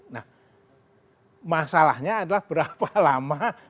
nah masalahnya adalah berapa lama